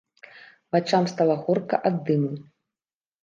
Вачам стала горка ад дыму.